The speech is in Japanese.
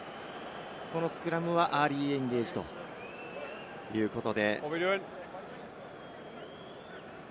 このスクラムはアーリーエンゲージということで。